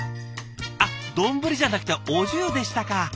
あっ丼じゃなくてお重でしたか。